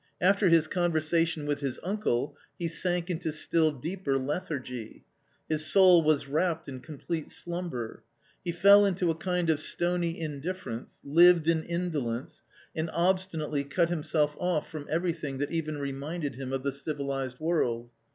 After his conversation with his uncle, he sank into still deeper lethargy ; his soul was wrapped in complete slumber. He fell into a kind of stony indifference, lived in indolence, and obstinately cut himself off from everything that even reminded him of the civilised world.